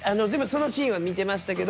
そのシーンは見てましたけど。